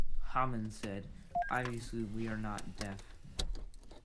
Hammond said, Obviously we are not deaf.